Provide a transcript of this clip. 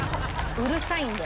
うるさいんで。